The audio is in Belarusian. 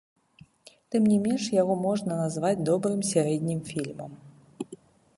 Тым не менш, яго можна назваць добрым сярэднім фільмам.